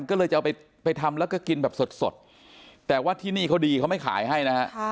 ก็เลยจะเอาไปทำแล้วก็กินแบบสดแต่ว่าที่นี่เขาดีเขาไม่ขายให้นะฮะ